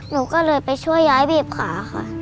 หนูก็เลยไปช่วยย้ายบีบขาค่ะ